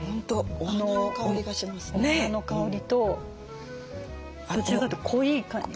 お花の香りとどちらかというと濃い感じが。